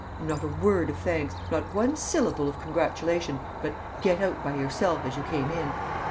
And not a word of thanks, not one syllable of congratulation, but "get out by yourself as you came in!"